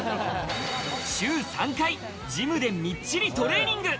週３回ジムでみっちりトレーニング。